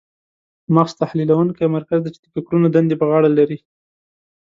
مغز تحلیلونکی مرکز دی چې د فکرونو دندې په غاړه لري.